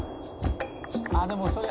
「あっでもそれ」